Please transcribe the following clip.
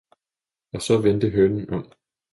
og så vendte hønen om.